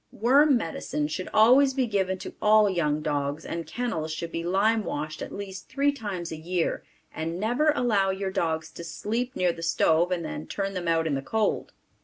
Worm medicine should always be given to all young dogs and kennels should be lime washed at least three times a year and never allow your dogs to sleep near the stove and then turn them out in the cold.